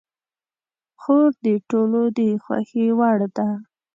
خور د ټولو د خوښې وړ ده.